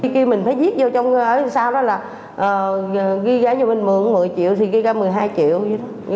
khi mình phải viết vô trong sau đó là ghi gái cho mình mượn một mươi triệu thì ghi ra một mươi hai triệu